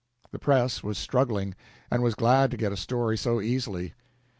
The "Press" was struggling, and was glad to get a story so easily.